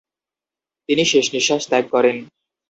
তিনি শেষ নিঃশ্বাস ত্যাগ করেন।